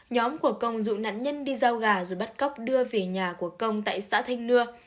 nhóm của công dụ nạn nhân đi giao gà rồi bắt cóc đưa về nhà của công tại xã thanh nưa